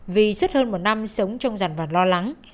vì suốt hơn một năm sống trong giàn và lo lắng